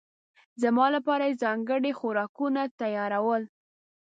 زما لپاره یې ځانګړي خوراکونه تيارول.